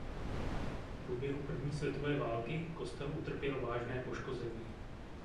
V průběhu První světové války kostel utrpěl vážné poškození.